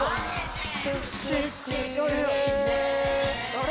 あれ？